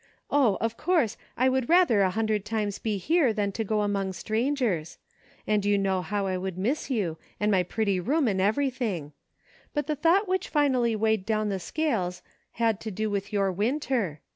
Oh ! of course, I would rather a hundred times be here than to go among strangers ; and you know how I would miss you, and my pretty room and everything. But the thought which finally weighed down the scales had to do with your Winter.